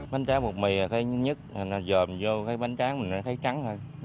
bánh tráng bột mì thấy nhứt nó dồm vô cái bánh tráng mình nó thấy trắng thôi